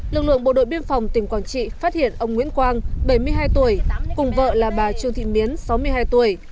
lực lượng bộ đội biên phòng tỉnh quảng trị phát hiện ông nguyễn quang bảy mươi hai tuổi cùng vợ là bà trương thị miến sáu mươi hai tuổi